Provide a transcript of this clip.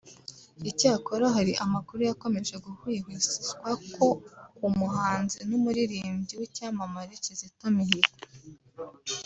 Icyakora hari amakuru yakomeje guhwihwiswa ko ku muhanzi n’umuririmbyi w’icyamamare Kizito Mihigo